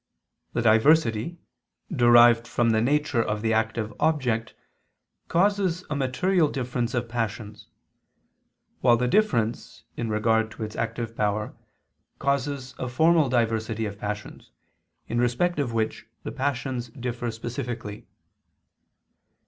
The diversity, derived from the nature of the active object, causes a material difference of passions: while the difference in regard to its active power causes a formal diversity of passions, in respect of which the passions differ specifically.